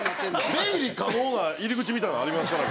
出入り可能な入り口みたいなのありますからね。